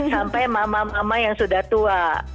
sampai mama mama yang sudah tua